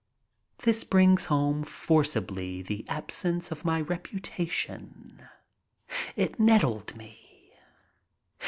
This brings home forcibly the absence of my reputation. It nettled me.